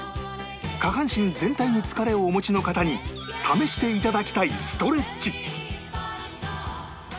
下半身全体に疲れをお持ちの方に試していただきたいストレッチ